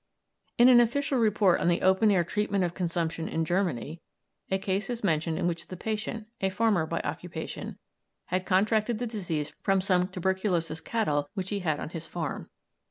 In an official report on the open air treatment of consumption in Germany a case is mentioned in which the patient, a farmer by occupation, had contracted the disease from some tuberculous cattle which he had on his farm.